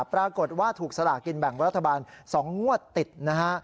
ปรากฏว่าถูกสลากินแบ่งรัฐบาล๒งวดติดนะฮะ